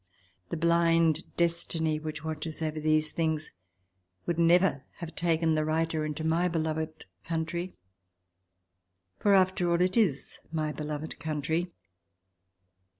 The blind destiny which watches over these things would never have taken the writer into my beloved country. For, after all, it is my beloved country.